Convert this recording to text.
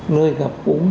nơi gặp uống